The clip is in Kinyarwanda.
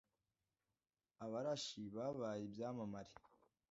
abarashi babaye ibyamamare